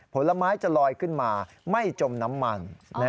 ผลไม้จะลอยขึ้นมาไม่จมน้ำมัน